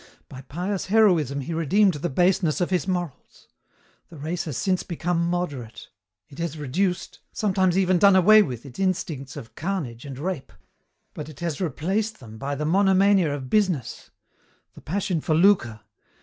"By pious heroism he redeemed the baseness of his morals. The race has since become moderate. It has reduced, sometimes even done away with, its instincts of carnage and rape, but it has replaced them by the monomania of business, the passion for lucre.